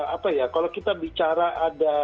apa ya kalau kita bicara ada